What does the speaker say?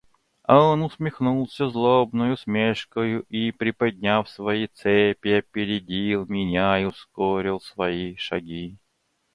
Он усмехнулся злобной усмешкою и, приподняв свои цепи, опередил меня и ускорил свои шаги.